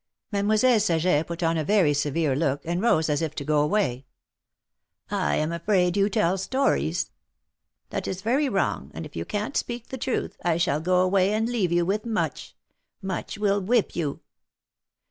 Mademoiselle Saget put on a very severe look, and rose as if to go away. "I am afraid you tell stories. That is very wrong, and, if you can't speak the truth, I shall go away and leave you with Much — Much will whip you."